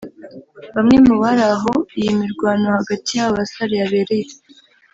Bamwe mu bari aho iyi mirwano hagati y’aba basore yabereye